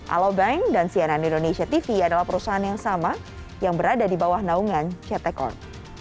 alobank dan cnn indonesia tv adalah perusahaan yang sama yang berada di bawah naungan ct corp